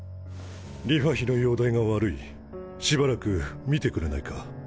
梨花妃の容体が悪いしばらく見てくれないか？